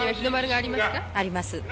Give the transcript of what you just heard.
・あります